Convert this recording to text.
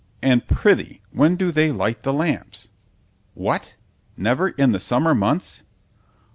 And prithee when do they light the lamps? What?—never in the summer months!